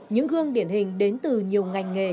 những gương điển hình đến từ nhiều ngành nghề